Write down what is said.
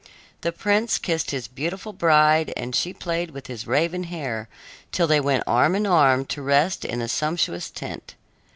The prince kissed his beautiful bride and she played with his raven hair till they went arm in arm to rest in the sumptuous tent.